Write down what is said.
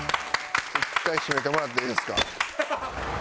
１回閉めてもらっていいですか？